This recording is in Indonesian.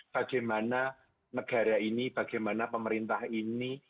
bagaimana negara ini bagaimana pemerintah ini